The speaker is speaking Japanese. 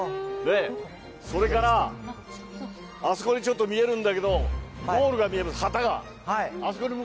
それからあそこにちょっと見えるんだけど、ゴールが見えます、旗が。